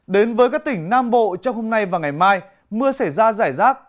đến với các tỉnh nam bộ trong hôm nay và ngày mai mưa sẽ ra rải rác